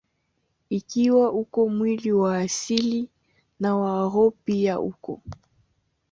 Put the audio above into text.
Ikiwa uko mwili wa asili, na wa roho pia uko.